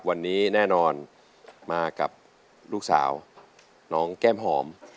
วันนี้แน่นอนมากับลูกสาวน้องแก้มหอม